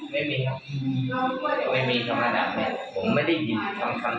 ไม่มีธรรมดาแม่ผมไม่ได้ยินชั้นทั้งทั้ง